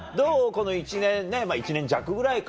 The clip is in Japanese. この１年弱ぐらいか。